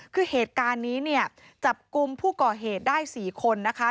คือเหตุการณ์นี้เนี่ยจับกลุ่มผู้ก่อเหตุได้๔คนนะคะ